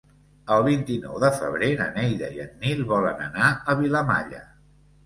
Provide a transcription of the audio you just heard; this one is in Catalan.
El vint-i-nou de febrer na Neida i en Nil volen anar a Vilamalla.